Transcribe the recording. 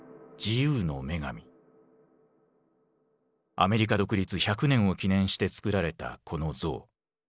アメリカ独立１００年を記念して造られたこの像。